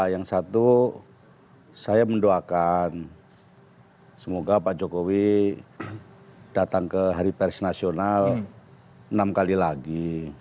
yang satu saya mendoakan semoga pak jokowi datang ke hari pers nasional enam kali lagi